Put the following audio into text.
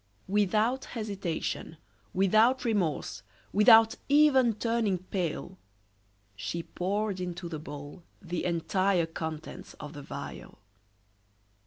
Without hesitation, without remorse, without even turning pale, she poured into the bowl the entire contents of the vial.